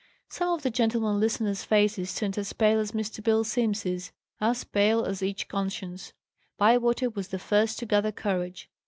Some of the gentlemen listeners' faces turned as pale as Mr. Bill Simms's; as pale as each conscience. Bywater was the first to gather courage.